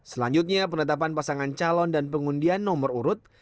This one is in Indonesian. selanjutnya penetapan pasangan calon dan pengundian nomor urut